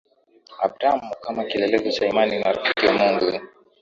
Abrahamu kama kielelezo cha imani na rafiki wa Mungu